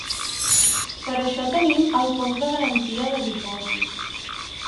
Per això tenim el Fons de Garantia de Dipòsits.